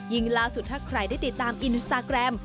ล่าสุดถ้าใครได้ติดตามอินสตาแกรม